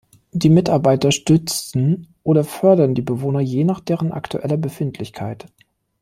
Die Mitarbeiter stützen oder fördern die Bewohner je nach deren aktueller Befindlichkeit.